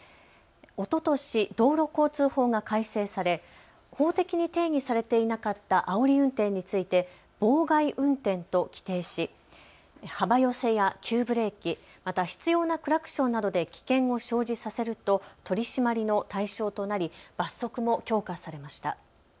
おととし道路交通法が改正され、法的に定義されていなかったあおり運転について妨害運転と規定し幅寄せや急ブレーキ、また執ようなクラクションなどで危険を生じさせると取締りの対象となり罰則も強化されました。